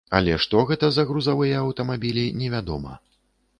Але што гэта за грузавыя аўтамабілі невядома.